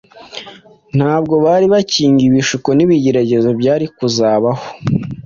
ntabwo bari bakingiwe ibishuko n’ibigeragezo byari kuzabaho.